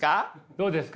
どうですか？